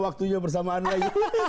waktunya bersamaan lagi